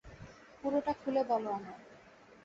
পুরোটা খুলে বলো আমায়।